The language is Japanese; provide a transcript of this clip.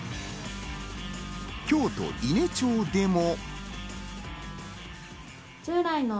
京都・伊根町でも。